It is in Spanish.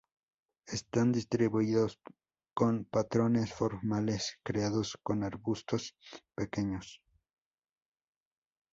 Están distribuidos con patrones formales creados con arbustos pequeños.